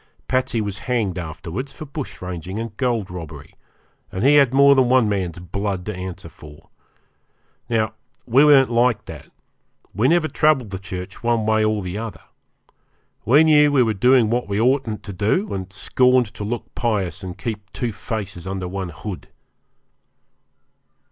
Patsey was hanged afterwards for bush ranging and gold robbery, and he had more than one man's blood to answer for. Now we weren't like that; we never troubled the church one way or the other. We knew we were doing what we oughtn't to do, and scorned to look pious and keep two faces under one hood.